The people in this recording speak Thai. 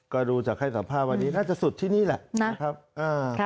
ก็ดูจากให้สัมภาษณ์วันนี้น่าจะสุดที่นี่แหละนะครับ